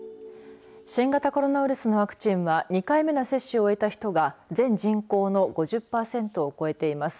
新型コロナウイルスのワクチンは２回目の接種を終えた人が全人口の５０パーセントを超えています。